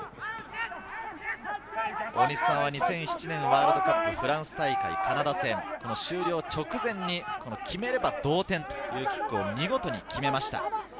大西さんは２００７年ワールドカップフランス大会カナダ戦の終了直前に決めれば同点というキックを見事に決めました。